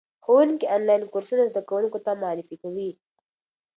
ښوونکي آنلاین کورسونه زده کوونکو ته معرفي کوي.